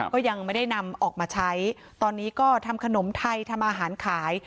ก็ยังไม่ได้นำออกมาใช้ตอนนี้ก็ทำขนมไทยทำอาหารขาย